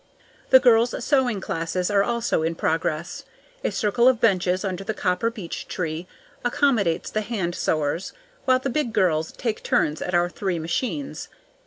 The girls' sewing classes are also in progress. A circle of benches under the copper beech tree accommodates the hand sewers, while the big girls take turns at our three machines.